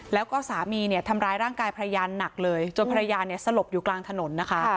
แล้วก็สามีเนี่ยทำร้ายร่างกายภรรยาหนักเลยจนภรรยาเนี่ยสลบอยู่กลางถนนนะคะ